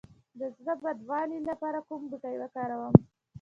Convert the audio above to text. د زړه بدوالي لپاره کوم بوټی وکاروم؟